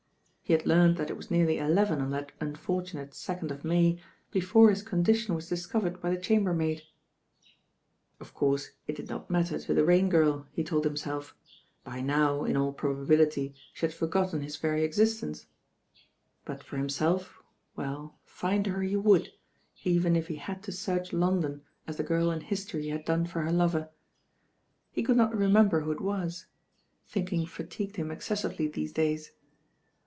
He had learned that it was nearly eleven on that unfortunate second of May before his condition was discovered by the chambermaid. Of course it did not matter to the Rain Girl, he told himself. By now, in all probability, she had forgotten his very existence; but for himself, well, find her he would, even if he had to search London as the girl m history had done for her lover. He «i THE BAIN OHtL could not remember who it wai; thinking fatigued hwi excessivelsr these dayi.